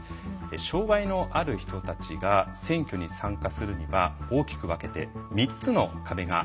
障害のある人たちが選挙に参加するには大きく分けて３つの壁があります。